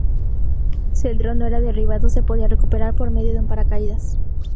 Si el dron no era derribado, se podía recuperar por medio de un paracaídas.